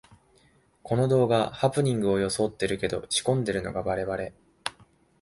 この動画、ハプニングをよそおってるけど仕込んでるのがバレバレ